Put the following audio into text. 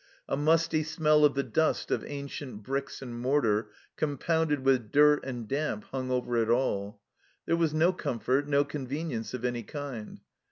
A musty smell of the dust of ancient bricks and mortar, compounded with dirt and damp, hung over it all. There was no comfort, no convenience of any kind.